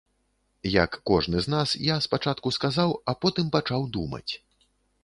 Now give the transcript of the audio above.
Як кожны з нас, я спачатку сказаў, а потым пачаў думаць.